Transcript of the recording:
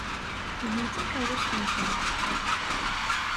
Tihin d takeṛṛust-nwent.